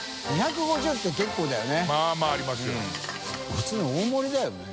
普通に大盛りだよね。